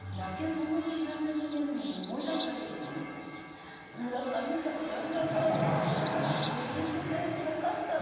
そんなに知らない人間でも思い出すだけでももう「村神様頑張った」とかなんか本当にメキシコ戦すごかったです。